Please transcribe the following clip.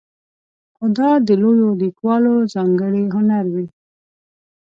خو دا د لویو لیکوالو ځانګړی هنر وي.